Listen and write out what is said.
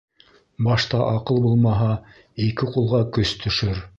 Башта аҡыл булмаһа, ике ҡулға көс төшөр.